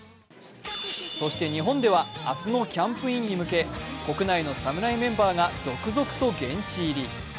そして日本では明日のキャンプインに向け国内の侍メンバーが続々と現地入り。